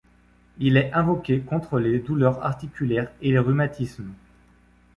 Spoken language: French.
Il est invoqué contre les douleurs articulaires et les rhumatismes.